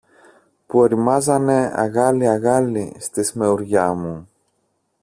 που ωριμάζανε αγάλι-αγάλι στη σμεουριά μου.